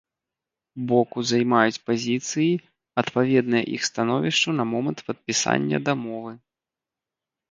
Боку займаюць пазіцыі, адпаведныя іх становішчу на момант падпісання дамовы.